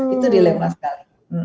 itu dilema sekali